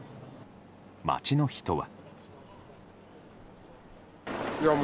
街の人は。